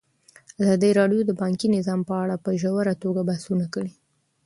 ازادي راډیو د بانکي نظام په اړه په ژوره توګه بحثونه کړي.